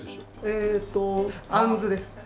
えーっとあんずです。